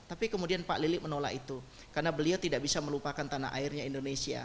tapi kemudian pak lilik menolak itu karena beliau tidak bisa melupakan tanah airnya indonesia